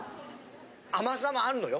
甘さもあんのよ。